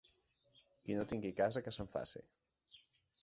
Qui no tingui casa que se'n faci.